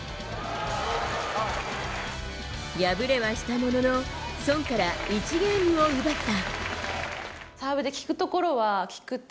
敗れはしたもののソンから１ゲームを奪った。